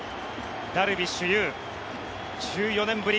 ダルビッシュ有１４年ぶり